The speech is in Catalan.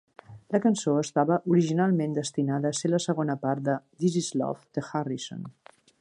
La cançó estava originalment destinada a ser la segona part de "This is Love", de Harrison.